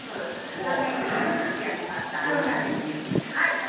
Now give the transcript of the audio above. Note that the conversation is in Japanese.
片面２分ずつ焼きました。